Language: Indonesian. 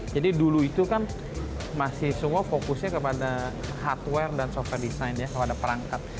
jadi dulu itu kan masih semua fokusnya kepada hardware dan software design kepada perangkat